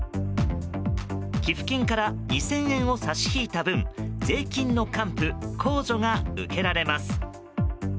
寄付金から２０００円を差し引いた分税金の還付・控除が受けられます。